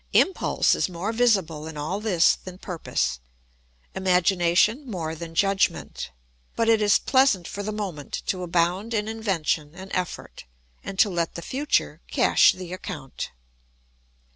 Impulse is more visible in all this than purpose, imagination more than judgment; but it is pleasant for the moment to abound in invention and effort and to let the future cash the account.